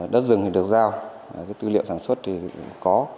đất rừng được giao tư liệu sản xuất thì có